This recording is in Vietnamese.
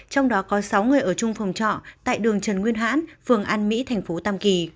trong đó có sáu người ở chung phòng trọ tại đường trần nguyên hãn phường an mỹ thành phố tam kỳ